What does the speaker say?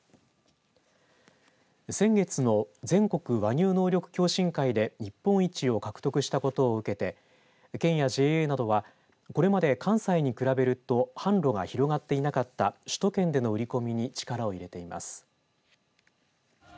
先月の全国和牛能力共進会で日本一を獲得したことを受けて県やＪＡなどはこれまで関西に比べると販路が広がっていなかった首都圏での売り込みに力を入れています。